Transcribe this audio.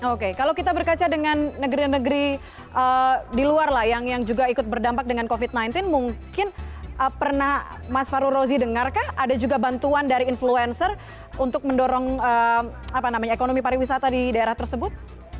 oke kalau kita berkaca dengan negeri negeri di luar lah yang juga ikut berdampak dengan covid sembilan belas mungkin pernah mas farul rozi dengar ada juga bantuan dari influencer untuk mendorong ekonomi pariwisata di daerah tersebut